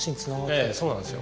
ええそうなんですよ。